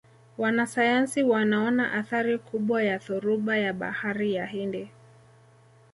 wanasayansi wanaona athari kubwa ya dhoruba ya bahari ya hindi